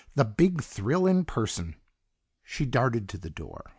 "The Big Thrill in person." She darted to the door.